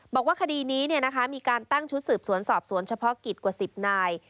บอกว่าคดีนี้มีการตั้งชุดสืบสวนสอบสวนเฉพาะกิจกว่า๑๐นาย